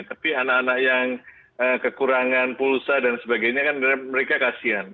tapi anak anak yang kekurangan pulsa dan sebagainya kan mereka kasihan